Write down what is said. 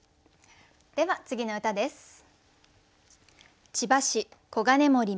では次の歌です。